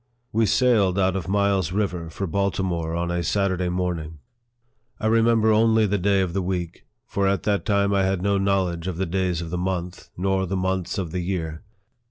We sailed out of Miles River for Baltimore on a Saturday morning. I remember only the day of the week, for at that time I had no knowledge of the days of the month, nor the months of the year.